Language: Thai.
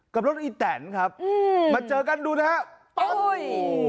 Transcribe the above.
กับรถอีแตนครับอืมมาเจอกันดูนะฮะปุ้ย